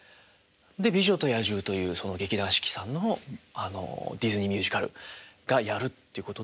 で「美女と野獣」というその劇団四季さんのあのディズニーミュージカルがやるっていうことで。